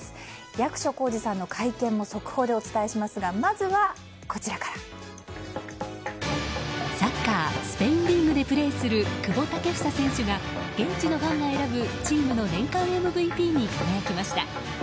役所広司さんの会見も速報でお伝えしますがサッカー、スペインリーグでプレーする久保建英選手が現地のファンが選ぶチームの年間ＭＶＰに輝きました。